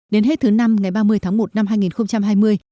đến hết thứ năm ngày ba mươi tháng một năm hai nghìn hai mươi